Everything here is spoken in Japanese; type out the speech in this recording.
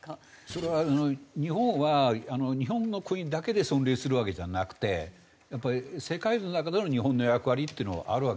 それは日本は日本の国だけで存立するわけじゃなくてやっぱり世界の中での日本の役割っていうのはあるわけですよね。